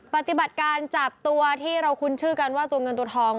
ปฏิบัติการจับตัวที่เราคุ้นชื่อกันว่าตัวเงินตัวทอง